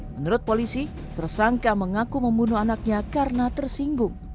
menurut polisi tersangka mengaku membunuh anaknya karena tersinggung